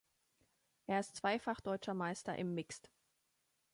Er ist zweifacher deutscher Meister im Mixed.